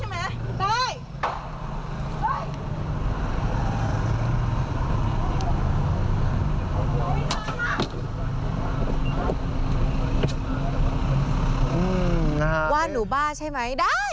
ว่าหนูบ้าใช่ไหมได้